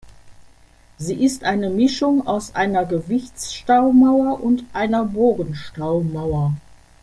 Sie ist eine Mischung aus einer Gewichtsstaumauer und einer Bogenstaumauer.